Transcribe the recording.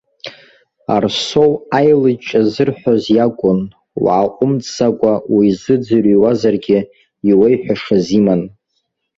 Арсоу аилыҷҷа ззырҳәоз иакәын, уааҟәымҵӡакәа уизыӡырҩуазаргьы иуеиҳәашаз иман.